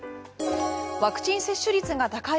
ワクチン接種率が高い